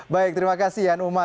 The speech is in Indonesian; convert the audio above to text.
baik terima kasih yan umar